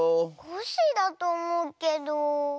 コッシーだとおもうけど。